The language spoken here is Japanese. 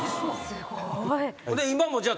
すごい。